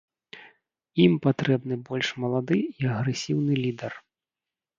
Ім патрэбны больш малады і агрэсіўны лідар.